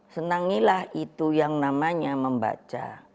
senangilah itu yang namanya membaca